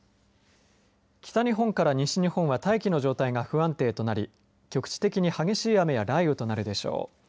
北日本から西日本は大気の状態が不安定となり局地的に激しい雨や雷雨となるでしょう。